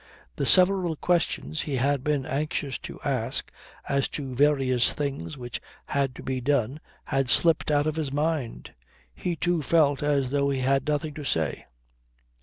The several questions he had been anxious to ask as to various things which had to be done had slipped out of his mind. He, too, felt as though he had nothing to say.